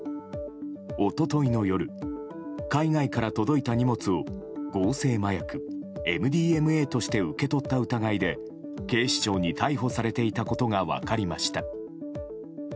一昨日の夜海外から届いた荷物を合成麻薬ＭＤＭＡとして受け取った疑いで警視庁に逮捕されていたことが分かりました。